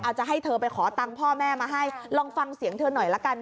จะให้เธอไปขอตังค์พ่อแม่มาให้ลองฟังเสียงเธอหน่อยละกัน